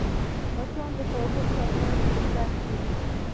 مچان د خوږو شیانو پر سر کښېني